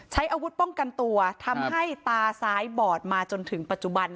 ใช้อาวุธป้องกันตัวทำให้ตาซ้ายบอดมาจนถึงปัจจุบัน